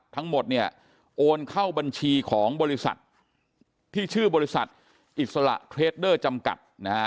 ทั้งหมดเนี่ยโอนเข้าบัญชีของบริษัทที่ชื่อบริษัทอิสระเครดเดอร์จำกัดนะฮะ